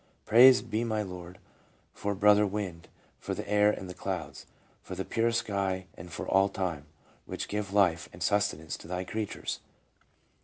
Praised be my Lord for Brother Wind, for the air and the clouds, for the pure sky and for all time, which give life and sustenance to Thy creatures.